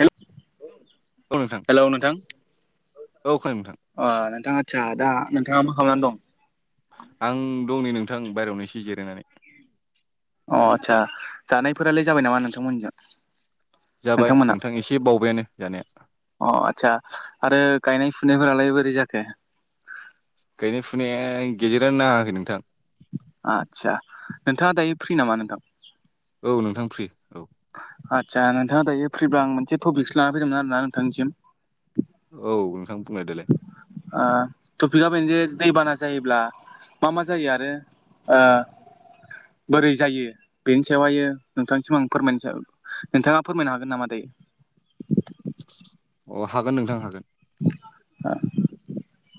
हे औ नोंथां [inaudible] हेलौ नोंथां, औ खोनादों नोंथां अह नोंथाङा आदसा दा नोंथाङा मा खालामनानै दं? आं दं नै नोंथां बाहेरायावनो एसे जेरायनानै। अ आत्सा जानायफोरालाय जाबाय नामा नोंथांमोनजों? जाबाय नोंथांमोना? नोंथां एसे बावबायानो जानाया अह आत्सा आरो गायनाय फुनायफोरालाय बोरै जाखो? गायनाय फुनाया गेजेरानो नाङाखै नोंथां। आदसा नोंथाङा दायो फ्रि नामा नोंथां? औ नोंथां फ्रि औ। आदसा नोंथाङा दायो फ्रिब्ला आं मोनसे टपिकसो लानानै फैदोंमोन आरोना नोंथांनिसिम। औ नोंथां बुंलाय देलाय। थफिकआ बेनोजे दैबाना जायोब्ला मा मा जायो आरो आ बोरै जायो बेनि सायावहायो नोंथांनिसिम आं फोरमायनो सान नोंथाङा फोरमायनो हागोन नामा [unintelligible] अ हागोन नोंथां हागोन। [unintelligible]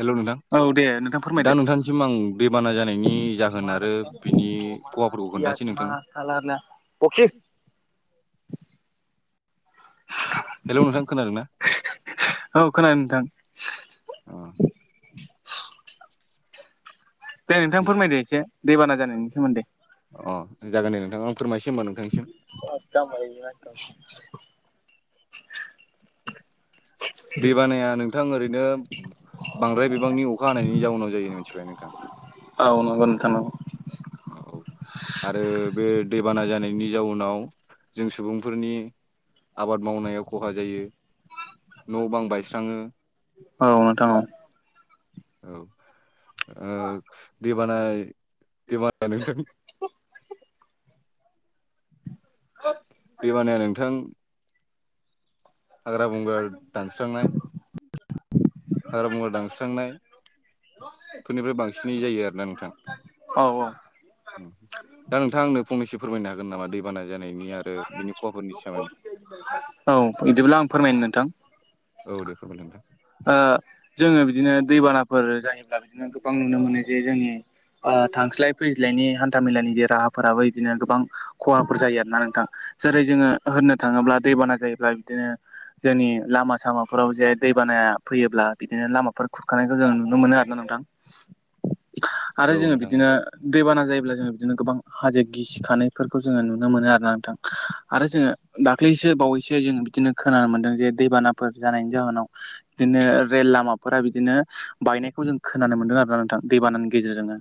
हेल' नोंथां औ दे नोंथां फोरमायदो दा नोंथांनिसिम आं दैबाना जानायनि जाहोन आरो महाराष्ट्र बिनि खहाफोरखौ खोन्थानोसै नोंथांनो [inaudible] हेल' नोंथां खोनादोंना औ खोनादों नोंथां। अ [unintelligible] दे नोंथां फोरमायदो एसे दैबाना जानायनि सोमोन्दै? अ जागोन दे नोंथां आं फोरमायसि [unintelligible] दै बानाया नोंथां ओरैनो बांद्राय बिबांनि अखा हानायनि जाउनाव जायो मिथिबाय नोंथां। औ [unintelligible] औ आरो बे दैबाना जानाय नि जाउनाव जों सुबुंफोरनि आबाद मावनायाव खहा जायो। न' बां बायस्राङो। औ नोंथां औ औ ओ दै बाना दै बाना [inaudible] दैबानाया नोंथां हाग्रा बंग्रा दानस्रांनाय [unintelligible] दानस्रांनाय फोरनिफ्राय बांसिनै जायो आरोना नोंथां। औ उम दा नोंथांङा आंनो फंनैस फोरमायनो हागोन नामा दैबाना जानायनि आरो बिनि खहाफोरनि सोमोन्दै औ बिदिब्ला आं फोरमायनो नोंथां। औ दे फोरमायदो नोंथां। ओ जोङो बिदिनो दैबानाफोर जायोब्ला बिदिनो गोबां नुनो मोनो जे जोंनि ओ थांस्लाय फैज्लायनि हान्था मेलानि जे राहाफोराबो बिदिनो गोबां खहाफोर जायो आरोना नोंथां जेरै जोङो होननो थाङोब्ला दैबाना जायोब्ला बिदिनो जोंनि लामा सामाफोराव जे दै बानाया फैयोब्ला बिदिनो लामाफोर खुरखानायखौ जों नुनो मोनो आरोना नोंथां। आरो औ जोङो नोंथां औ बिदिनो दैबाना जायो ब्ला जोङो बिदिनो गोबां हाजो गिसिखानायफोरखौ जोङो नुनो मोनो आरोना नोंथां आरो जोङो दाख्लै सो बावैसो जों बिदिनो खोनानो मोनदों जे दैबानाफोर जानायनि जाहोनाव बिदिनो रेल लामाफोरा बिदिनो बायनायखौ जों खोनानो मोनदों आरोना नोंथां दैबानानि गेजेरजोंनो।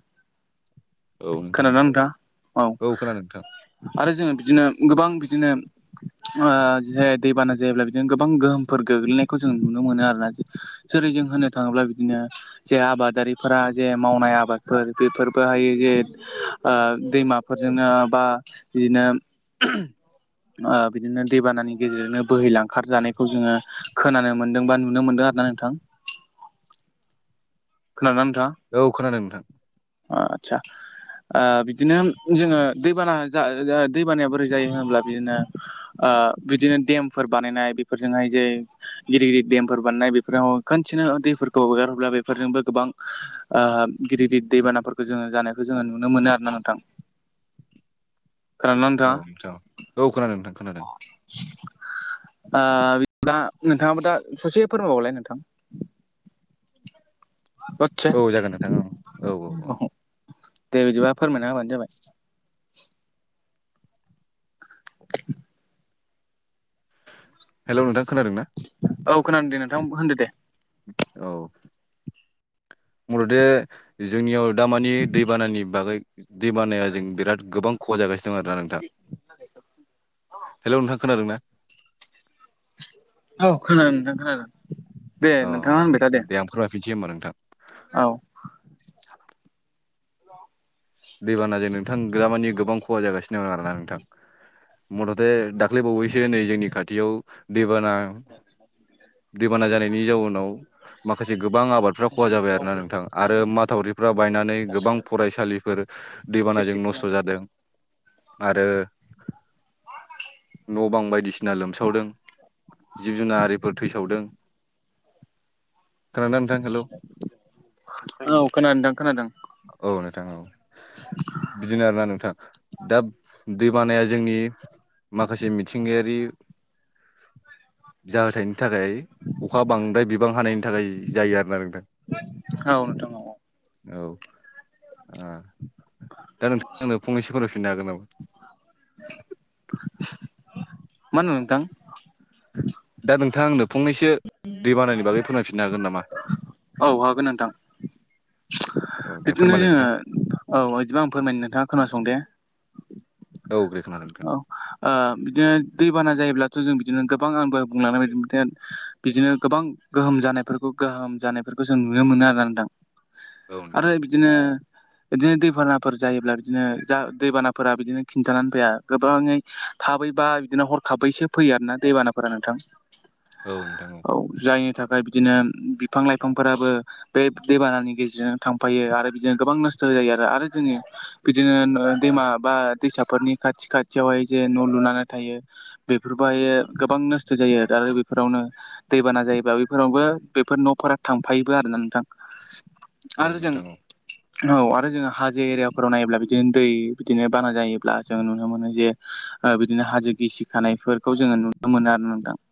औ नोंथां खोनादों ना नोंथाङा औ खोनादों नोंथां आरो जोङो बिदिनो गोबां बिदिनो ओ जे दैबाना जायोब्ला बिदिनो गोबां गोहोमफोर गोग्लैनायखौ जों नुनो मोनो आरोना जेरै जों होननो थाङोब्ला बिदिनो जे आबादारिफोरा जे मावनाय आबाद फोर बेफोरबोहायो जे ओ दैमाफोरजोंनो बा बिदिनो ओ बिदिनो दैबानानि गेजेरजोंनो बोहैलांखार जानायखौ जोङो खोनानो मोनदों बा नुनो मोनदों आरो ना नोंथां। औ खोनादों नोंथां। आतसा ओ बिदिनो जोङो दैबाना जा जा दैबानाया बोरै जायो होनोब्ला बिदिनो ओ ओ बिदिनो देमफोर बानायनाय बेफोरजोंहाय जे गिदिर गिदिर देमफोर बानायनाय बेफोराव खोनसेनो दैफोरखौ हगारहोब्ला बेफोरजोंबो गोबां ओ गिदिर गिदिर दैबानाफोरखौ जोङो जानायखौ जोङो नुनो मोनो आरो ना नोंथां। खोनादोंना नोंथाङा औ नोंथां औ खोनादों नोंथां खोनादों। ओ [inaudible] नोंथाङाबो दा ससे फोरमायबावलाय नोंथां औ जागोन नोंथां बाथ्राया औ औ औ। माखौ दे बिदिबा फोरमायना होबानो जाबाय [unintelligible] हेल' नोंथां खोनादों ना औ खोनादोंदे नोंथां होनदो दे औ मथ'थे जोंनियाव दामानि दैबानानि बागै दैबानाया जों बिराद गोबां खहा जागासिनो दं आरोना नोंथां हेलौ नोंथां खोनादों ना औ खोनादों नोंथां खोनादों दे नोंथाङा होनबाय था दे जेमबा नोंथां औ दैबानाजों नोंथां दामानि गोबां खहा जागासिनो दं आरो ना नोंथां मथ'थे दा ख्लैबावैसो नै जोंनि खाथियाव दैबाना दैबाना जानायनि जाउनाव माखासे गोबां आबादफ्रा खहा जाबाय आरोना रावफोरखौ नोंथां आरो खोनाहोनो हाबाय माथावरि फख्रिफ्रा दे बायनानै गोबां फरायसालिफोर बिसोरसो दैबानाजों नस्थ' जादों खालामजोबोबा आरो न' बां बायदिसिना लोमसावदों जिब जुनारारिफोर थैसावदों [inaudible] खोनादोंना नोंथां हेलौ औ खोनादों नोंथां खोनादों औ नोंथां औ [unintelligible] बिदिनो आरोना नोंथां दा दै बानाया जोंनि माखासे मिथिंगायारि जाहोथायनि थाखाय अखा बांद्राय बिबां हानायनि थाखाय जायो आरोना नोंथां औ नोंथां औ औ ओ दा नोंथाङा फंनैसो फोरमायफिननो हागोन नामा मा होनदों नोंथां दा नोंथाङा आंनो फंनैसो दैबानानि बागै फोरमायफिननो हागोन नामा [unintelligible] औ हागोन नोंथां औ दे बिदिनो फोरमायलाय जोङो नोंथां औ बिदिबा आं फोरमायनो नोंथाङा खोनासं दे [unintelligible] औ दे खोनादों औ नोंथां ओ बिदिनो दैबाना जायोब्ला जों बिदिनो गोबां आं दहाय बुंलांनाय बिदिनो बिदिनो गोबां गोहोम जानायफोरखौ गोहोम जानाय जों नुनो मोनो आरोना नोंथां औ आरो नोंथां बिदिनो बिदिनो दैबानाफोर जायोब्ला बिदिनो जा दैबानाफोरा बिदिनो खिन्थानानै फाया गोबाङै थाबैबा बिदिनो हरखाबैसो फैयो आरोना दैबानाफोरा नोंथां औ नोंथां औ जायनि थाख ओमफ्राय बिदिनो बिफां लाइफांफोराबो बे दैबानानि गेजेरजोंनो थांफायो आरो बिदिनो गोबां जायो आरो आरो जोंनि बिदिनो ओ दैमा बा दैसाफोरनि खाथि खाथियावहाय जे न' लुनानै थायो बेफोरबोहायो गोबां नस्थ' जायो आरो बेफोरावनो दैबाना जायोबा बेफोरावबो बेफोर न'फोरा थांफायोबो आरोना नोंथां औ आरो जों नोंथां औ औ आरो जोङो हाजो एरियाफोराव नायोब्ला बिदिनो दै बिदिनो बाना जायोब्ला जोङो नुनो मोनो जे ओ बिदिनो हाजो गिसिखानायफोरखौ जोङो नुनो मोनो आरो नोंथां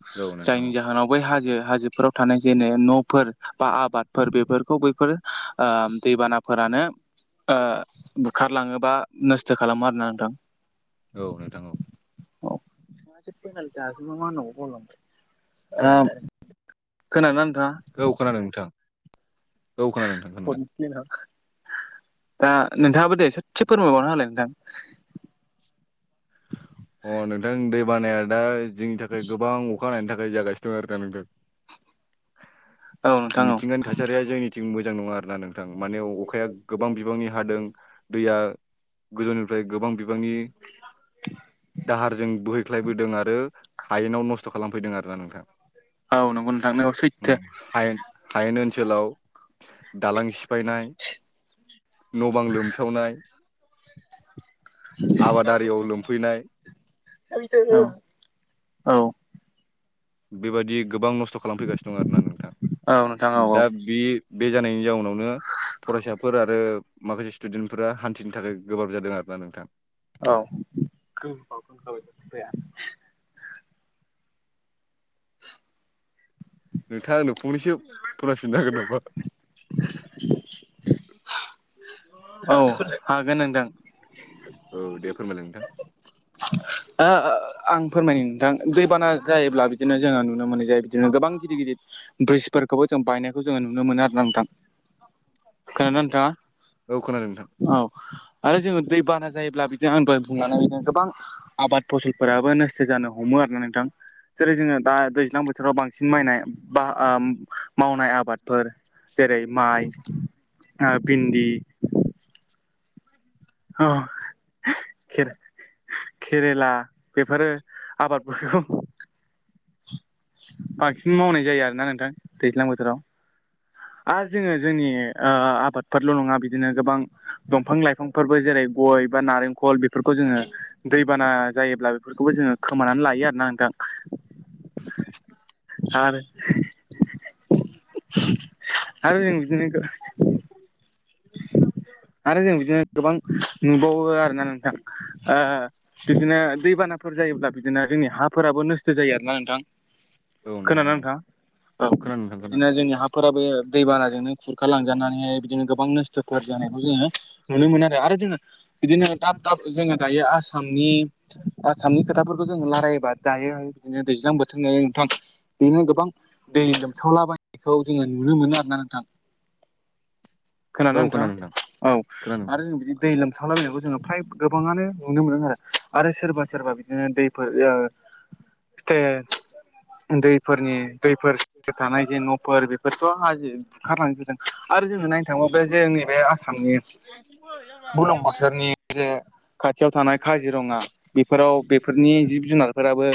औ नोंथां जायनि जाहोनाव बै हाजो हाजो फोराव थानाय जेने न'फोर बा आबादफोर बेफोरखौ बैफोर ओ दै बानाफोरानो ओ बुखारलाङोबा नोस्थो खालामो आरोना नोंथां औ नोंथां औ ओ औ खोनादों नोंथां औ खोनादोंथां खोनादों दा नोंथाङाबो दे सदसे फोरमायबावनो हालाय नोंथां अ नोंथां दै बानाया दा जोंनि थाखाय गोबां खनायनि थाखायाय जाय गसिटारानो औ नोंथां औ मिथिंगानि थासारिया जोंनिथिं मोजां नङा आरोना नों थां माने अखाया गोबां बिबांनि हादों दैया गोदोनिफाय गोबां बि बांनि दाहारजों बोहैख्लायबोदों आरो हायेनाव नस्थ' खालामफैदों आरोना नोंथां औ नंगौ नोंथां नियाव सैथो हायेन हायेन ओनसोलाव दालां सिफायनाय न' बां लोमसावनाय [unintelligible] सैथो आबादारियाव लोमफैनाय औ बेबायदि गोबां नस्थ' खालामफैगासिनो दं आरोना औ औ नोंथां दा बे बे जानायनि जाउनावनो फरायसाफोर आरो माखासे स्टुडेन्टफोरा हान्थिनो थाखाय गोब्राब जादों आरो ना नोंथां औ [unintelligible] नोंथाङा आंनो फंनैसो फोरफिननो हागोन नामा [unintelligible] [unintelligible] औ हागोन नोंथां औ दे फोरमायलाय नोंथां [unintelligible] ओ ओ आं फोरमायनि नोंथां दैबाना जायोब्ला बिदिनो जोङो नुनो मोनो जे बिदिनो गोबां गिदिर गिदिर ब्रिजफोरखौबो जों बायनायखौ जोङो नुनो मोनो आरोना नोंथां खोनायो ना नोंथाङा औ खोनादों नोंथां औ आरो जोङो दै बाना जायोब्ला बिदिनो आं दहाय बुं [unintelligible] गोबां आबाद फसलफोराबो नस्थ' जानो हमो आरोना नोंथां जेरै जोङो दा दैज्लां बोथोराव बांसिन माइनाय बा मावनाय आबादफोर जेरै माइ ओ भिन्दि औ के केरेला बेफोरो आबाद [unintelligible] बांसिन मावनाय जायो आरोना नोंथां दैज्लां बोथोराव आरो जोङो जोंनि आ आबादफोरल' नङा बिदिनो गोबां दंफां लाइफां -फोरबो जेरै गय बा नारेंखल बेफोरखौ जोङो दैबाना जायोब्ला बेफोरखौबो जोङो खोमानानै लायो -यो आरोना नोंथां आरो [unintelligible] आरो जों बिदिनो आरो जों बिदिनो गोबां नुबावो आरोना नोंथां ओ बिदिनो दैबानाफोर जायोब्ला बिदिनो जोंनि हाफोराबो नोस्थ' जायो आरोना नोंथां औ नोंथां औ खोनादों बिदिनो नोंथां जोंनि हाफोराबो दैबानाजोंनो खुरखा लांजानानैहाय बिदिनो गो बां नस्थ' कार जानायखौ जोङो नुनो मोनो आरो जोंना बिदिनो दाब दाब जोङो दायो आसामनि आसामनि खोथाफोर खौ जोङो लारायोबा दायो बिदिनो दैज्लां बोथोरनि नोंथां बेनो गोबां दै लोमसावलाबायनायखौ जोङो नुनो मोनो आरोना नोंथां खोनादों ना नोंथाङा खोनादों औ नोंथां आरो जों बिदि दै लोम सावलाबायनायखौ जोङो फ्राय गोबाङानो नुनो मोनो आरो आरो सोरबा सोरबा बिदिनो दैफोर ओ ए फिथाइ दैफोरनि दैफोरजो जों थानाय जे न'फोर बेफोरथ' हाजो बुखारलांजोबदों। आरो जोङो नायनो थाङोबा बे जोंनि बे आसामनि बुरलुंबोथोरनि जे खाथियाव थानाय काजिरङा बेफोराव बे फोरनि जिब जुनारफोराबो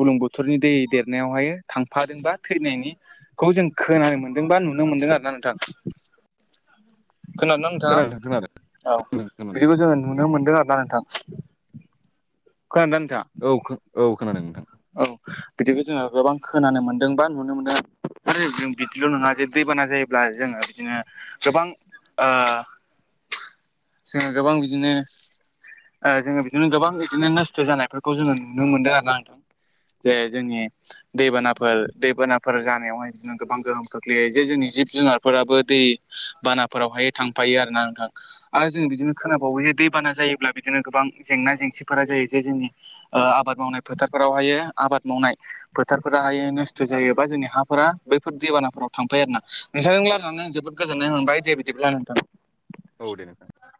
बुलुं बोथोरनि दै देरनायावहाय थांफादोंबा थैनायनि खौ जों खोनानो मोनदों बा नुनो मोनदों आरो ना नोंथां। खोनादोंना खोनादों नोंथां नोंथाङा? औ खोनादों खोनादों बिदिखौ जोङो नुनो मोनदों आरो ना नोंथां। खोनादोंना नोंथाङा औ औ खोनादों नोंथां। औ बिदिखौ जोङो गोबां खोनानो मोन्दों बा नुनो मोनदों। आरो जों बिदिल' नङा जे दैबाना जायोब्ला जोङो बिदिनो गोबां ओ जोङो गोबां बिदिनो ओ जोङो बिदिनो गोबां बिदिनो नस्थ' जानायफोरखौ जोङो नुनो मोनदों आरो नोंथां। जे जोंनि दैबानाफोर दैबानाफोर जानायावहाय बिदिनो गोबां गोहोम खोख्लैयो जे जोंनि जिब जुनारफोराबो दै बाना फोरावहाय थांफायो आरो ना नोंथां आरो जों बिदिनो खोनाबावो जे दैबाना जायोब्ला बिदिनो गोबां जेंना जें सिफोरा जायो जे जोंनि ओ आबाद मावनाय फोथारफोराव हायो आबाद मावनाय फोथारफोरा हायो न' नस्थ' जायोबा जोंनि हाफोरा बैफोर दैबानाफोराव थांफाया आरोना। नोंथांजों रायज्लायनानै आं जोबोद गोजोननाय मोनबाय दे बिदिब्ला नोंथां। औ दे नोंथां